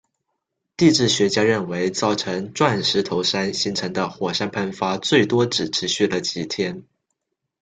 地质学家认为造成钻石头山形成的火山喷发最多只持续了几天。